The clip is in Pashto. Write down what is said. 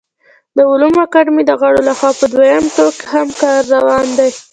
د علومو اکاډمۍ د غړو له خوا په دویم ټوک هم کار روان دی